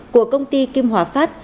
của công ty kim hòa phát